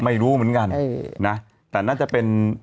ไม่รู้เหมือนกันแต่น่าจะเป็น